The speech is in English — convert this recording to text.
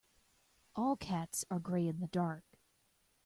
All cats are grey in the dark.